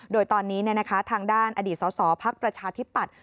โดยตอนนี้ทางด้านอดีตสสพักประชาธิปัตย